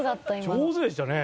上手でしたね！